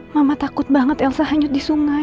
mama takut banget elsa hanyut di sungai